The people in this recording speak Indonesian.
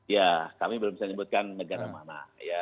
ya kami belum bisa menyebutkan negara mana